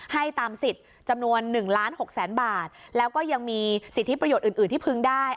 ให้ตามสิทธิ์จำนวน๑ล้าน๖แสนบาทแล้วก็ยังมีสิทธิประโยชน์อื่นที่พึงได้